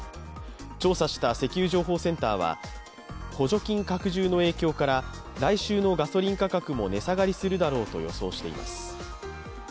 調査した石油情報センターは、補助金拡充の影響から来週のガソリン価格も値下がりするだろうと予想しています。